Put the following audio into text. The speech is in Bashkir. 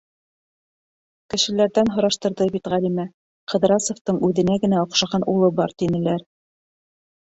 Кешеләрҙән һораштырҙы бит Ғәлимә: Ҡыҙрасовтың үҙенә генә оҡшаған улы бар тинеләр.